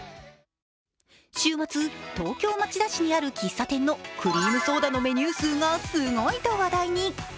週末、東京・町田市にある喫茶店のクリームソーダのメニュー数がすごいと話題に。